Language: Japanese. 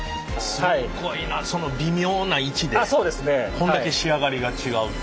こんだけ仕上がりが違うって。